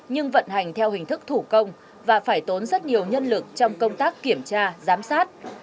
nhưng vận hành theo hình thức thủ công và phải tốn rất nhiều nhân lực trong công tác kiểm tra giám sát